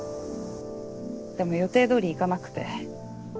でも予定通りいかなくて。